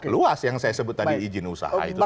luas yang saya sebut tadi izin usaha itu